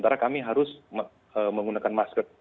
karena kami harus menggunakan masker